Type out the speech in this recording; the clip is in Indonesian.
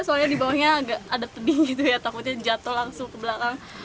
soalnya di bawahnya agak ada pedih gitu ya takutnya jatuh langsung ke belakang